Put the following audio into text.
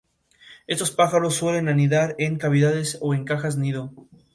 Estos pájaros suelen anidar en cavidades o en cajas nido.